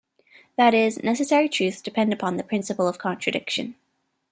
That is, necessary truths depend upon the principle of contradiction.